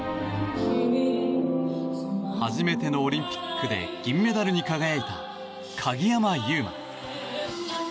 初めてのオリンピックで銀メダルに輝いた鍵山優真。